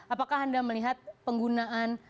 apakah anda melihat penggunaan